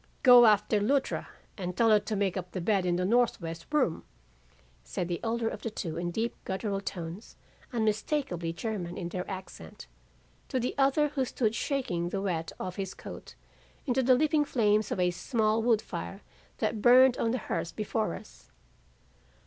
"'Go after Luttra and tell her to make up the bed in the northwest room,' said the elder of the two in deep gutteral tones unmistakably German in their accent, to the other who stood shaking the wet off his coat into the leaping flames of a small wood fire that burned on the hearth before us.